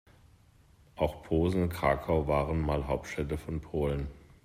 Auch Posen und Krakau waren mal Hauptstädte von Polen.